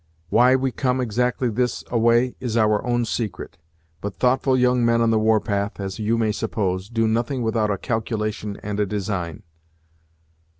Why we come exactly this a way is our own secret; but thoughtful young men on the war path, as you may suppose, do nothing without a calculation and a design."